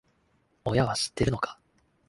親は知ってるのか？